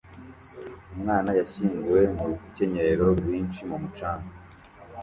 Umwana yashyinguwe mu rukenyerero rwinshi mu mucanga